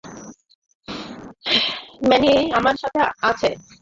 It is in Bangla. ম্যানি আমার সাথে আছে।